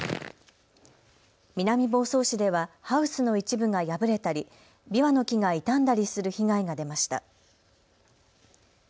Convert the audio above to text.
南房総市ではハウスの一部が破れたり、びわの木が傷んだりする被害が出ました。